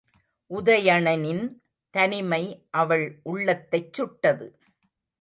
உதயணனின் தனிமை அவள் உள்ளத்தைச் சுட்டது.